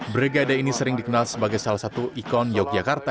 bregade ini sering dikenal sebagai salah satu ikon yogyakarta